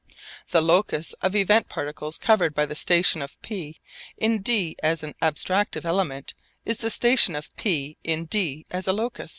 The locus of event particles covered by the station of P in d as an abstractive element is the station of P in d as a locus.